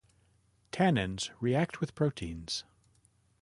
Tannins react with proteins.